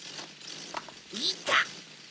いた！